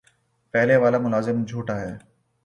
پہلے والا ملازم جھوٹا ہے